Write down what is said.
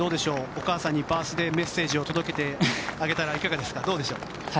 お母さんにバースデーメッセージを届けてあげたらいかがでしょうか。